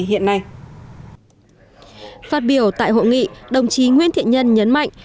hiện nay phát biểu tại hội nghị đồng chí nguyễn thiện nhân nhấn mạnh